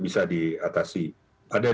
bisa diatasi ada